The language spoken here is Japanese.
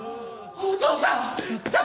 お父さん！